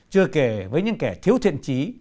chưa kể với những kẻ thiếu thiện trí